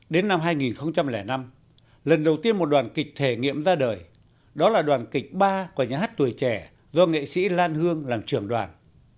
đến năm hai nghìn năm lần đầu tiên một đoàn kịch thể nghiệm ra đời đó là đoàn kịch ba của nhà hát tuổi trẻ do nghệ sĩ lan hương làm trưởng đoàn